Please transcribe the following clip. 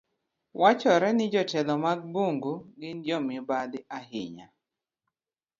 Wachore ni jotelo mag bungu gin jo mibadhi ahinya.